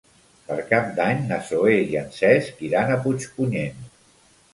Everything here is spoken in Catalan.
Per Cap d'Any na Zoè i en Cesc iran a Puigpunyent.